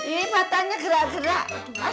ih matanya gerak gerak